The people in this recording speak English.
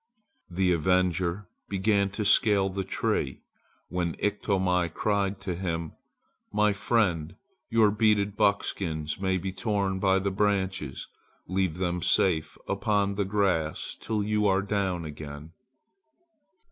The avenger began to scale the tree, when Iktomi cried to him: "My friend, your beaded buckskins may be torn by the branches. Leave them safe upon the grass till you are down again."